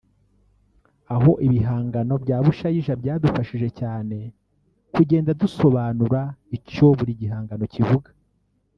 aho ibihangano bya Bushayija byadufashije cyane kugenda dusobanura icyo buri gihangano kivuga